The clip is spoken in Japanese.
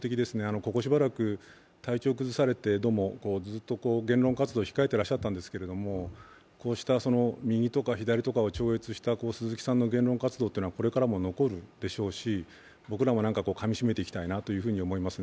ここしばらく体調を崩されて、ずっと言論活動を控えてらっしゃったんですけれども、右とか左とかを超越した鈴木さんの言論活動はこれからも残るでしょうし、僕らもかみしめていきたいなと思いますね。